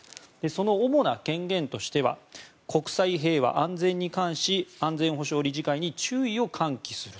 その主な権限としては国際平和・安全に関し安全保障理事会に注意を喚起する。